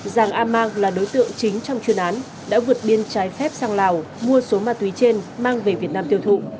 giàng a mang là đối tượng chính trong chuyên án đã vượt biên trái phép sang lào mua số ma túy trên mang về việt nam tiêu thụ